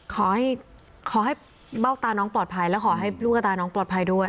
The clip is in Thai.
ขอให้ขอให้เบ้าตาน้องปลอดภัยและขอให้ลูกกับตาน้องปลอดภัยด้วย